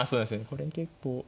これ結構。